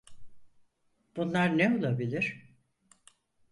Bunlar ne olabilir?